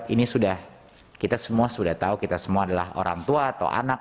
ini sudah kita semua sudah tahu kita semua adalah orang tua atau anak